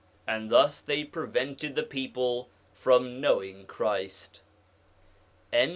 And thus they prevented the people from knowing Christ. Note.